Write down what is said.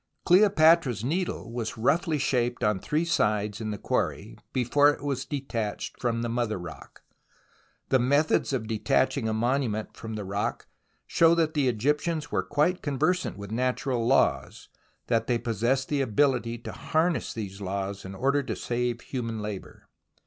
Cleopatra's Needle was roughly shaped on three sides in the quarry, before it was detached from the mother rock. The methods of detaching a monument from the rock show that the Egyptians were quite conversant with natural laws, that they possessed the ability^ to harness these laws in order to save human labour.